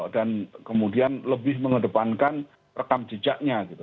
dan kemudian lebih mengedepankan rekam jejaknya gitu